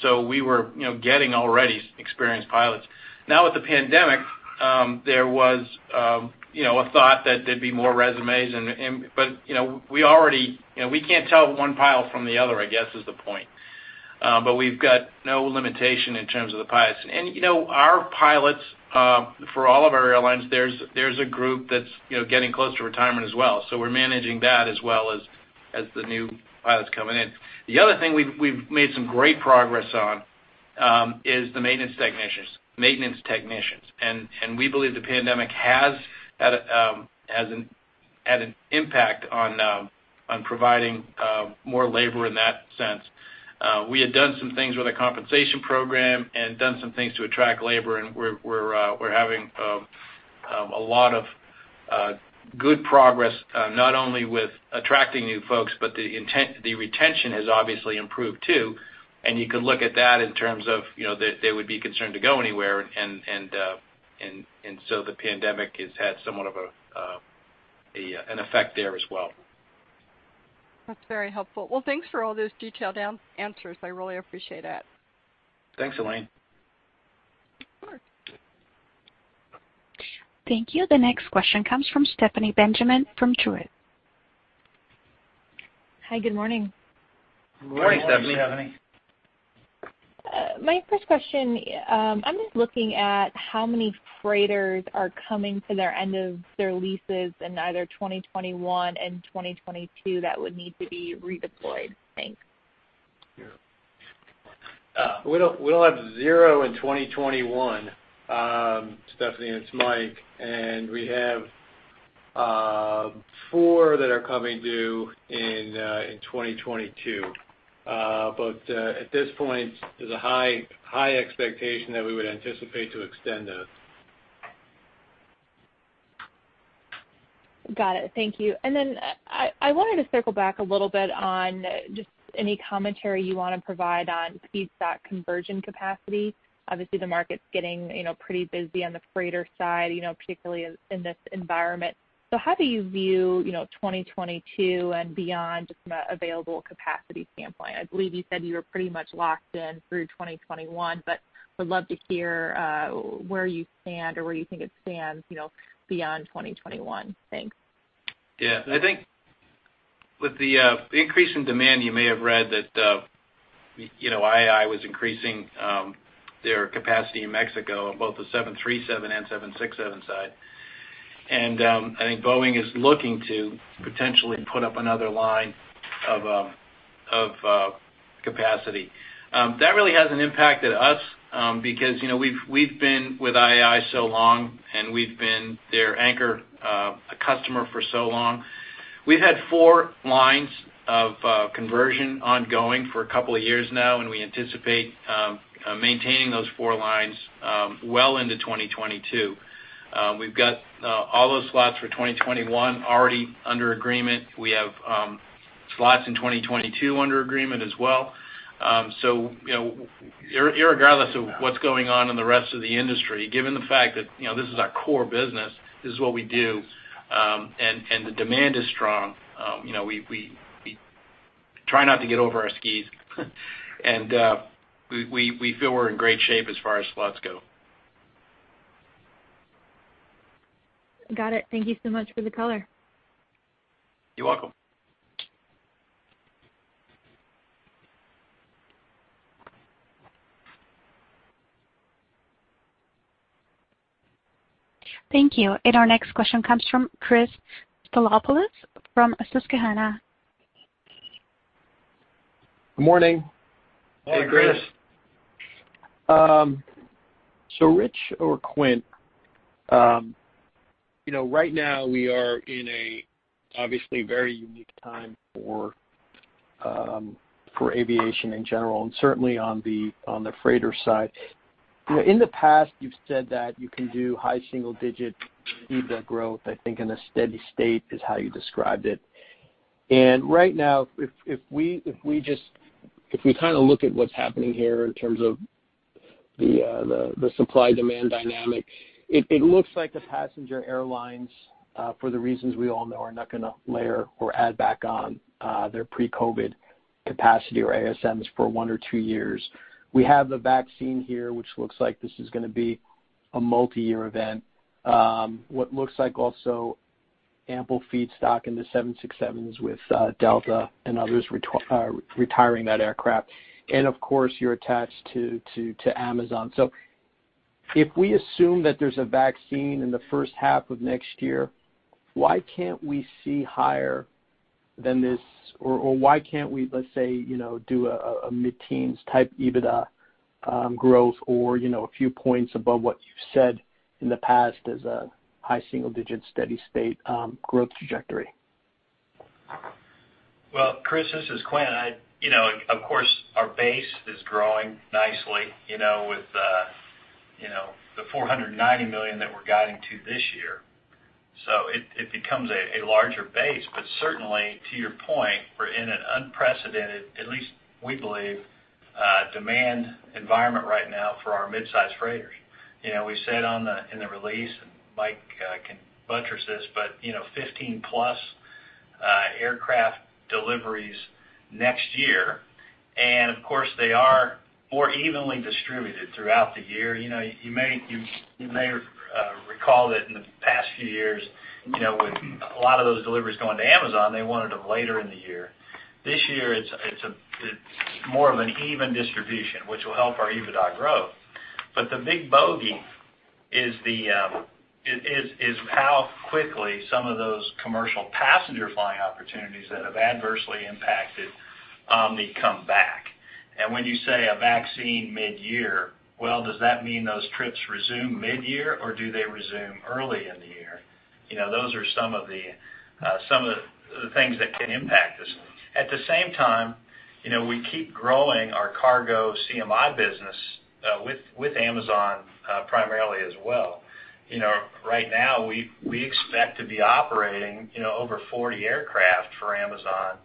so we were getting already experienced pilots. Now, with the pandemic, there was a thought that there'd be more resumes, but we can't tell one pilot from the other, I guess, is the point. We've got no limitation in terms of the pilots. Our pilots, for all of our airlines, there's a group that's getting close to retirement as well. We're managing that as well as the new pilots coming in. The other thing we've made some great progress on is the maintenance technicians. We believe the pandemic has had an impact on providing more labor in that sense. We had done some things with a compensation program and done some things to attract labor, and we're having a lot of good progress, not only with attracting new folks, but the retention has obviously improved, too. You can look at that in terms of they would be concerned to go anywhere, and so the pandemic has had somewhat of an effect there as well. That's very helpful. Well, thanks for all those detailed answers. I really appreciate it. Thanks, Helane. Thank you. The next question comes from Stephanie Benjamin from Truist. Hi, good morning. Good morning, Stephanie. My first question, I'm just looking at how many freighters are coming to their end of their leases in either 2021 and 2022 that would need to be redeployed. Thanks. Yeah. We'll have zero in 2021, Stephanie, and it's Mike, and we have four that are coming due in 2022. At this point, there's a high expectation that we would anticipate to extend those. Got it. Thank you. I wanted to circle back a little bit on just any commentary you want to provide on feedstock conversion capacity. Obviously, the market's getting pretty busy on the freighter side, particularly in this environment. How do you view 2022 and beyond, just from an available capacity standpoint? I believe you said you were pretty much locked in through 2021, but would love to hear where you stand or where you think it stands beyond 2021. Thanks. Yeah. I think with the increase in demand, you may have read that IAI was increasing their capacity in Mexico on both the 737 and 767 side. I think Boeing is looking to potentially put up another line of capacity. That really hasn't impacted us because we've been with IAI so long, and we've been their anchor customer for so long. We've had four lines of conversion ongoing for a couple of years now, and we anticipate maintaining those four lines well into 2022. We've got all those slots for 2021 already under agreement. We have slots in 2022 under agreement as well. Regardless of what's going on in the rest of the industry, given the fact that this is our core business, this is what we do, and the demand is strong, we try not to get over our skis, and we feel we're in great shape as far as slots go. Got it. Thank you so much for the color. You're welcome. Thank you. Our next question comes from Chris Stathoulopoulos from Susquehanna. Good morning. Hey, Chris. Rich or Quint, right now we are in a obviously very unique time for aviation in general, and certainly on the freighter side. In the past you've said that you can do high single-digit EBITDA growth, I think in a steady state is how you described it. Right now, if we kind of look at what's happening here in terms of the supply-demand dynamic, it looks like the passenger airlines, for the reasons we all know, are not going to layer or add back on their pre-COVID capacity or ASMs for one or two years. We have the vaccine here, which looks like this is going to be a multi-year event. What looks like also ample feedstock in the 767s with Delta and others retiring that aircraft. Of course, you're attached to Amazon. If we assume that there's a vaccine in the first half of next year, why can't we see higher than this, or why can't we, let's say, do a mid-teens type EBITDA growth or a few points above what you've said in the past as a high single-digit, steady state growth trajectory? Well, Chris, this is Quint. Of course, our base is growing nicely, with the $490 million that we're guiding to this year. Certainly, to your point, we're in an unprecedented, at least we believe, demand environment right now for our mid-size freighters. We said in the release, and Mike can buttress this, 15+ aircraft deliveries next year. Of course, they are more evenly distributed throughout the year. You may recall that in the past few years, with a lot of those deliveries going to Amazon, they wanted them later in the year. This year, it's more of an even distribution, which will help our EBITDA grow. The big bogey is how quickly some of those commercial passenger flying opportunities that have adversely impacted Omni come back. When you say a vaccine mid-year, well, does that mean those trips resume mid-year or do they resume early in the year? Those are some of the things that can impact us. At the same time, we keep growing our cargo CMI business with Amazon primarily as well. Right now, we expect to be operating over 40 aircraft for Amazon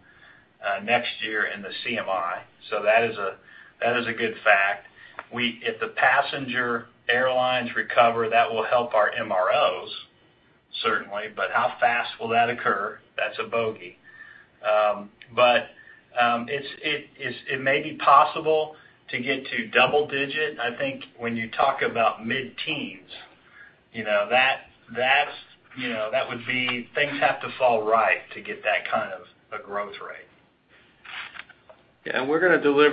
next year in the CMI. That is a good fact. If the passenger airlines recover, that will help our MROs certainly, but how fast will that occur? That's a bogey. It may be possible to get to double-digit. I think when you talk about mid-teens, that would be things have to fall right to get that kind of a growth rate. Yeah,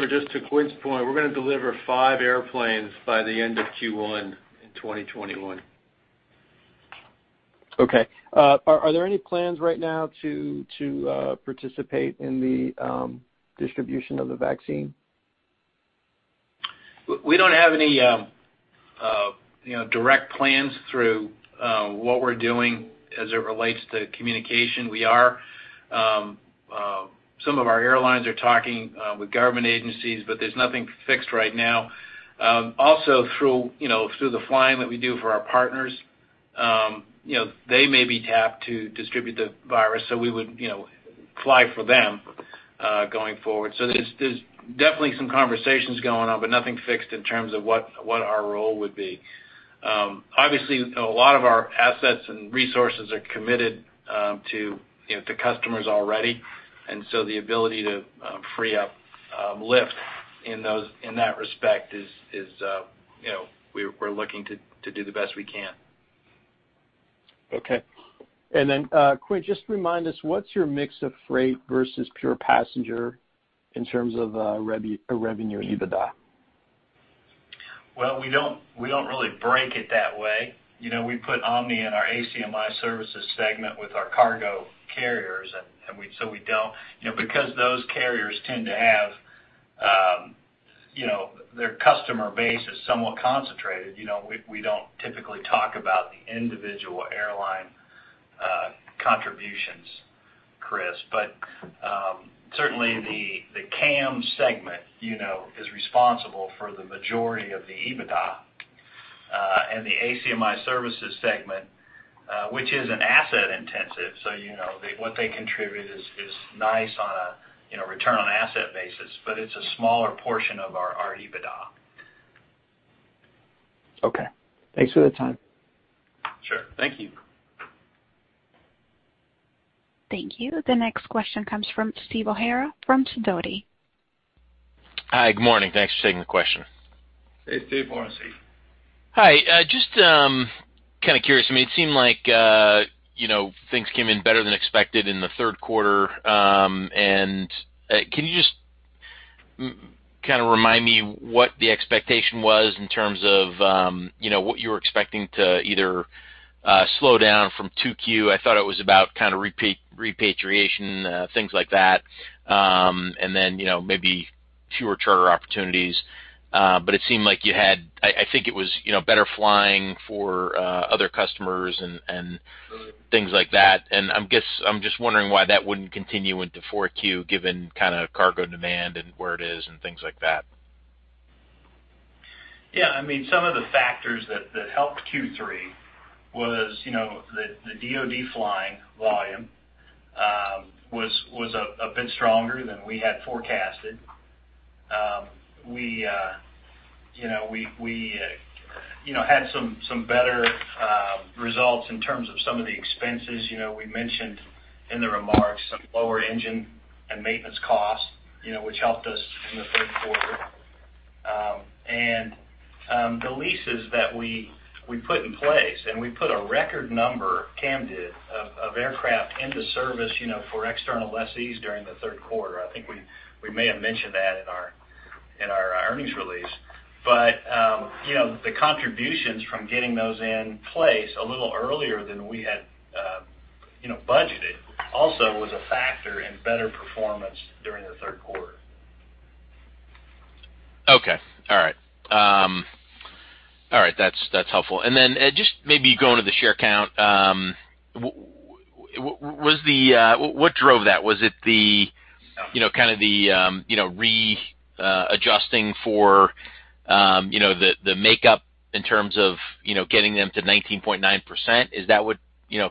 just to Quint's point, we're going to deliver five airplanes by the end of Q1 in 2021. Okay. Are there any plans right now to participate in the distribution of the vaccine? We don't have any direct plans through what we're doing as it relates to communication. Some of our airlines are talking with government agencies, but there's nothing fixed right now. Through the flying that we do for our partners, they may be tapped to distribute the [virus], so we would fly for them going forward. There's definitely some conversations going on, but nothing fixed in terms of what our role would be. Obviously, a lot of our assets and resources are committed to customers already, the ability to free up lift in that respect is we're looking to do the best we can. Okay. Quint, just remind us, what's your mix of freight versus pure passenger in terms of revenue or EBITDA? We don't really break it that way. We put Omni in our ACMI Services segment with our cargo carriers, and so we don't. Because those carriers tend to have their customer base is somewhat concentrated, we don't typically talk about the individual airline contributions, Chris. Certainly the CAM Segment is responsible for the majority of the EBITDA. The ACMI Services segment, which is an asset-intensive, so what they contribute is nice on a return on asset basis, but it's a smaller portion of our EBITDA. Okay. Thanks for the time. Sure. Thank you. Thank you. The next question comes from Steve O'Hara from Sidoti. Hi, good morning. Thanks for taking the question. Good morning, Steve. Hi. Just kind of curious, I mean, it seemed like things came in better than expected in the third quarter. Can you just kind of remind me what the expectation was in terms of what you were expecting to either slow down from 2Q. I thought it was about kind of repatriation, things like that. Then maybe fewer charter opportunities. It seemed like you had, I think it was better flying for other customers and things like that. I'm just wondering why that wouldn't continue into 4Q, given cargo demand and where it is and things like that. Yeah. Some of the factors that helped Q3 was the DoD flying volume was a bit stronger than we had forecasted. We had some better results in terms of some of the expenses. We mentioned in the remarks some lower engine and maintenance costs, which helped us in the third quarter. The leases that we put in place, and we put a record number, CAM did, of aircraft into service for external lessees during the third quarter. I think we may have mentioned that in our earnings release. The contributions from getting those in place a little earlier than we had budgeted also was a factor in better performance during the third quarter. Okay. All right. That's helpful. Just maybe going to the share count, what drove that? Was it the readjusting for the makeup in terms of getting them to 19.9%? Is that what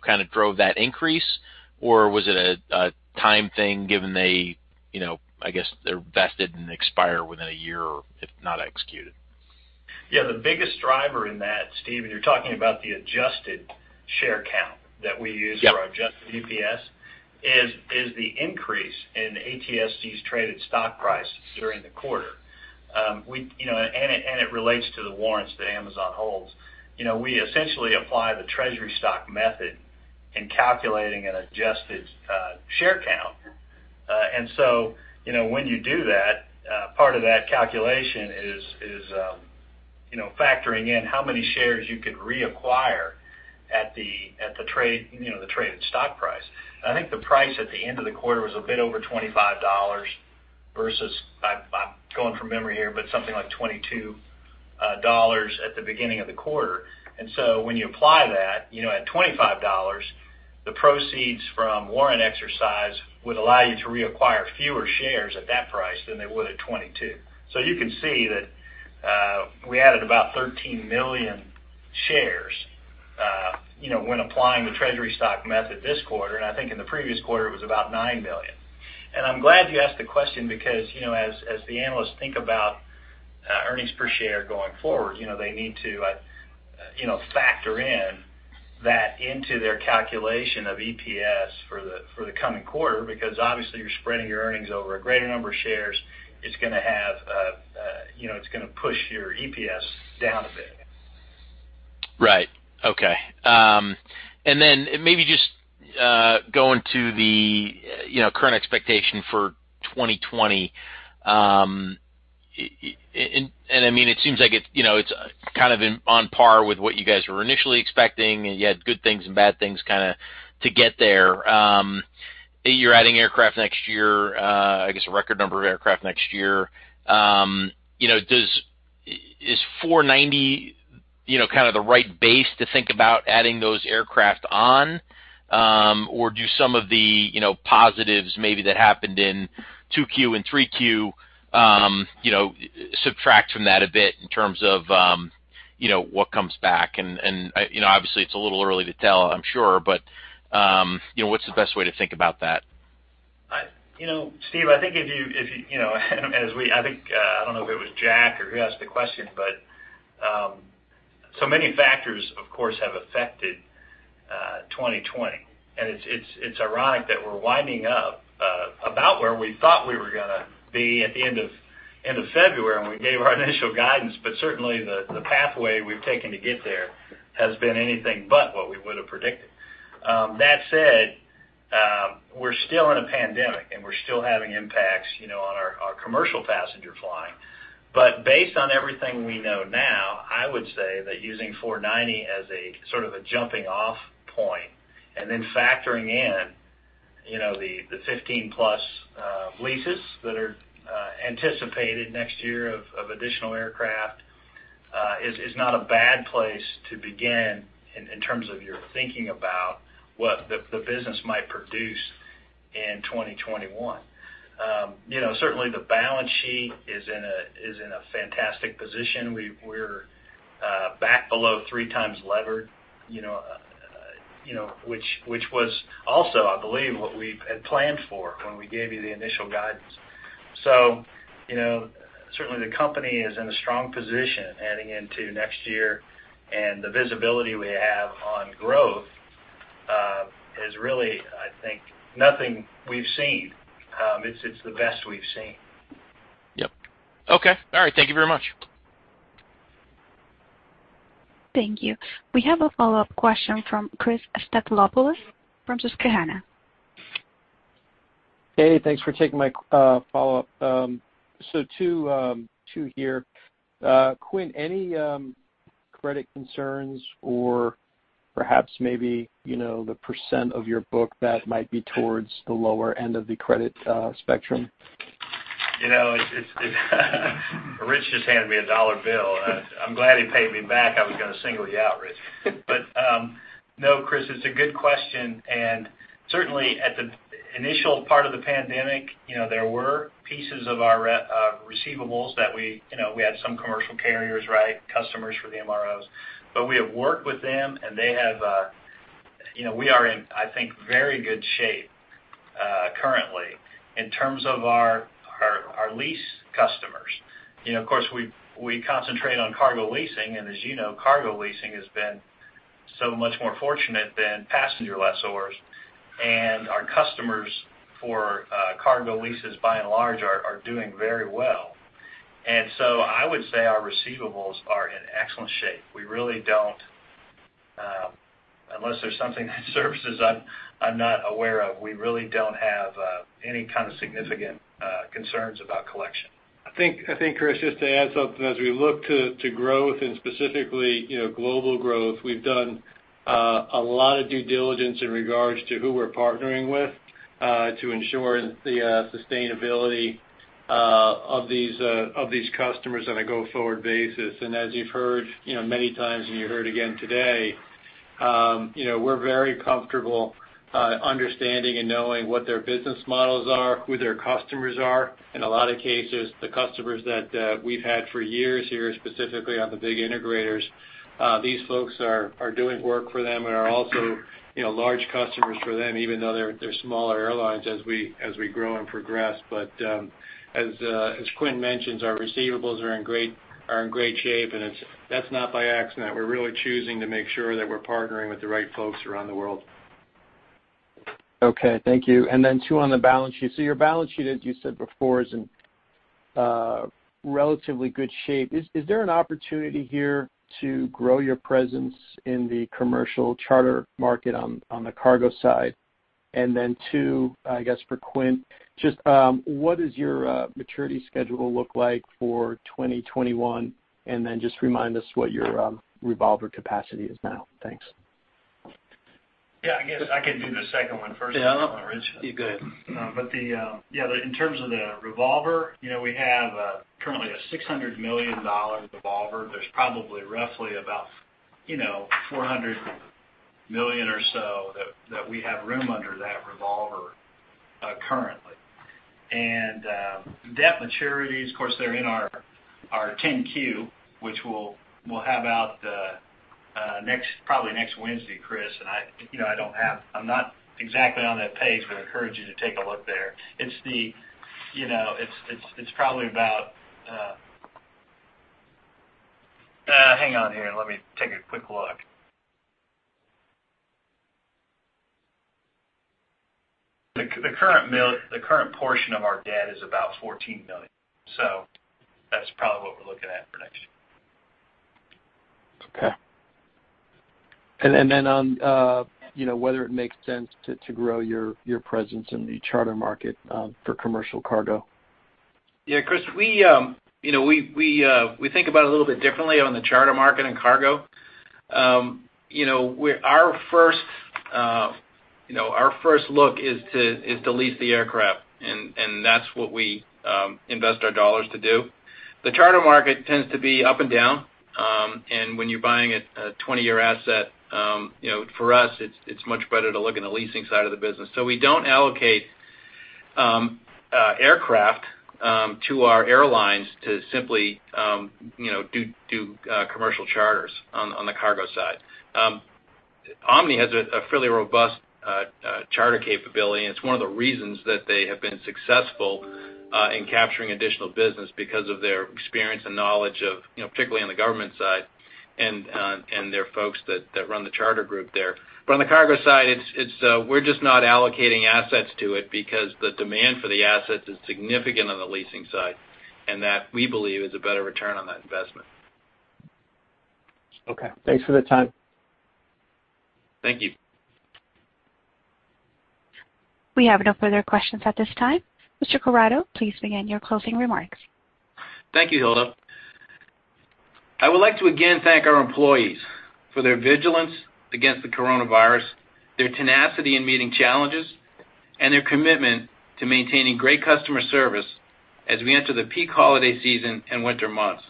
kind of drove that increase? Was it a time thing given they, I guess, they're vested and expire within a year if not executed? Yeah, the biggest driver in that, Steve, and you're talking about the adjusted share count that we use for our adjusted EPS, is the increase in ATSG's traded stock price during the quarter. It relates to the warrants that Amazon holds. We essentially apply the treasury stock method in calculating an adjusted share count. So when you do that, part of that calculation is factoring in how many shares you could reacquire at the traded stock price. I think the price at the end of the quarter was a bit over $25 versus, I'm going from memory here, but something like $22 at the beginning of the quarter. So when you apply that, at $25, the proceeds from warrant exercise would allow you to reacquire fewer shares at that price than they would at $22. You can see that we added about 13 million shares when applying the treasury stock method this quarter, and I think in the previous quarter it was about 9 million. I'm glad you asked the question because, as the analysts think about earnings per share going forward, they need to factor in that into their calculation of EPS for the coming quarter, because obviously you're spreading your earnings over a greater number of shares. It's going to push your EPS down a bit. Right. Okay. Maybe just going to the current expectation for 2020. It seems like it's kind of on par with what you guys were initially expecting. You had good things and bad things kind of to get there. You're adding aircraft next year, I guess a record number of aircraft next year. Is $490 million kind of the right base to think about adding those aircraft on? Or do some of the positives maybe that happened in 2Q and 3Q subtract from that a bit in terms of what comes back? Obviously, it's a little early to tell, I'm sure, but what's the best way to think about that? Steve, I think if you, I don't know if it was Jack or who asked the question, but so many factors, of course, have affected 2020. It's ironic that we're winding up about where we thought we were going to be at the end of February when we gave our initial guidance. Certainly, the pathway we've taken to get there has been anything but what we would have predicted. That said, we're still in a pandemic, and we're still having impacts on our commercial passenger flying. Based on everything we know now, I would say that using $490 million as a sort of a jumping-off point and then factoring in the 15+ leases that are anticipated next year of additional aircraft is not a bad place to begin in terms of your thinking about what the business might produce in 2021. Certainly, the balance sheet is in a fantastic position. We're back below three times levered, which was also, I believe, what we had planned for when we gave you the initial guidance. Certainly, the company is in a strong position heading into next year, and the visibility we have on growth is really, I think, nothing we've seen. It's the best we've seen. Yep. Okay. All right. Thank you very much. Thank you. We have a follow-up question from Chris Stathoulopoulos from Susquehanna. Thanks for taking my follow-up. Two here. Quint, any credit concerns or perhaps maybe the percent of your book that might be towards the lower end of the credit spectrum? Rich just handed me a dollar bill. I'm glad he paid me back. I was going to single you out, Rich. No, Chris, it's a good question, and certainly at the initial part of the pandemic, there were pieces of our receivables. We had some commercial carriers, customers for the MROs. We have worked with them, and we are in, I think, very good shape currently in terms of our lease customers. Of course, we concentrate on cargo leasing, and as you know, cargo leasing has been so much more fortunate than passenger lessors. Our customers for cargo leases, by and large, are doing very well. I would say our receivables are in excellent shape. Unless there's something that [surfaces] I'm not aware of, we really don't have any kind of significant concerns about collection. I think, Chris, just to add something, as we look to growth and specifically global growth, we've done a lot of due diligence in regards to who we're partnering with to ensure the sustainability of these customers on a go-forward basis. As you've heard many times, and you heard again today, we're very comfortable understanding and knowing what their business models are, who their customers are. In a lot of cases, the customers that we've had for years here, specifically on the big integrators, these folks are doing work for them and are also large customers for them, even though they're smaller airlines, as we grow and progress. As Quint mentions, our receivables are in great shape, and that's not by accident. We're really choosing to make sure that we're partnering with the right folks around the world. Okay, thank you. Two on the balance sheet. Your balance sheet, as you said before, is in relatively good shape. Is there an opportunity here to grow your presence in the commercial charter market on the cargo side? Two, I guess for Quint, just what does your maturity schedule look like for 2021? Just remind us what your revolver capacity is now. Thanks. Yeah, I guess I could do the second one first. If you want, Rich. You go ahead. In terms of the revolver, we have currently a $600 million revolver. There's probably roughly about $400 million or so that we have room under that revolver currently. Debt maturities, of course, they're in our 10-Q, which we'll have out probably next Wednesday, Chris. I'm not exactly on that page, but I encourage you to take a look there. Hang on here. Let me take a quick look. The current portion of our debt is about $14 million. That's probably what we're looking at for next year. Okay. On whether it makes sense to grow your presence in the charter market for commercial cargo. Yeah, Chris, we think about it a little bit differently on the charter market and cargo. Our first look is to lease the aircraft, and that's what we invest our dollars to do. The charter market tends to be up and down, and when you're buying a 20-year asset, for us, it's much better to look in the leasing side of the business. We don't allocate aircraft to our airlines to simply do commercial charters on the cargo side. Omni has a fairly robust charter capability, and it's one of the reasons that they have been successful in capturing additional business because of their experience and knowledge, particularly on the government side, and their folks that run the charter group there. On the cargo side, we're just not allocating assets to it because the demand for the assets is significant on the leasing side, and that, we believe, is a better return on that investment. Okay. Thanks for the time. Thank you. We have no further questions at this time. Mr. Corrado, please begin your closing remarks. Thank you, Hilda. I would like to again thank our employees for their vigilance against the coronavirus, their tenacity in meeting challenges, and their commitment to maintaining great customer service as we enter the peak holiday season and winter months.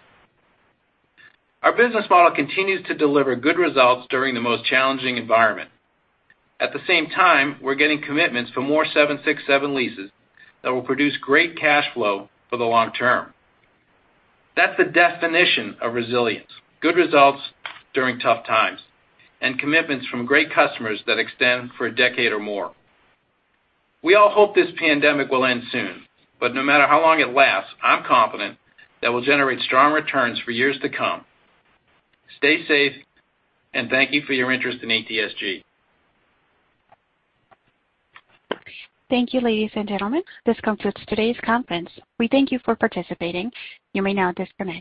Our business model continues to deliver good results during the most challenging environment. At the same time, we're getting commitments for more 767 leases that will produce great cash flow for the long term. That's the definition of resilience, good results during tough times, and commitments from great customers that extend for a decade or more. We all hope this pandemic will end soon, but no matter how long it lasts, I'm confident that we'll generate strong returns for years to come. Stay safe, and thank you for your interest in ATSG. Thank you, ladies and gentlemen. This concludes today's conference. We thank you for participating. You may now disconnect.